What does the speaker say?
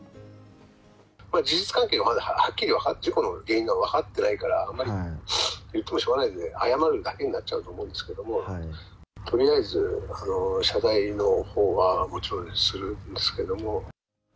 事実関係がまだはっきり、事故の原因が分かってないから、あまり、言ってもしょうがないんで、謝るだけになっちゃうと思うんだけど、とりあえず謝罪のほうはもちろんするんですけども。